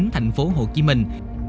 thành phố hồ chí minh